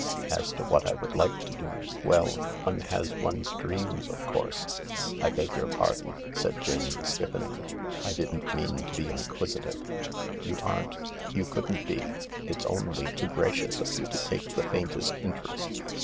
As to what I would like to do — well, one has one's dreams, of course. .." I beg your pardon," said Jane, stiffening, " I didn't mean to be inquisitive." " You aren't. You couldn't be. It's only too gracious of you to take the faintest interest.